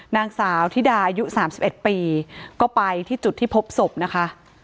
นางสาวที่ดายุสามสิบเอ็ดปีก็ไปที่จุดที่พบศพนะคะ